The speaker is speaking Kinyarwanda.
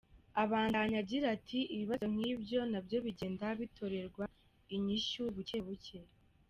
Abandanya agira ati, « ibibazo nk'ivyo na vyo bigenda bitorerwa inyishu buke buke».